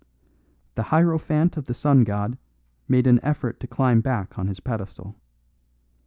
The hierophant of the sun god made an effort to climb back on his pedestal.